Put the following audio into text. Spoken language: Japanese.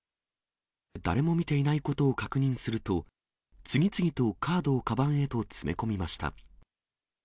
誰も見ていないことを確認すると、次々とカードをかばんへと詰め込みました。